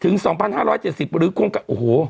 ถึง๒๕๗๐หรือโครงการโอ้โห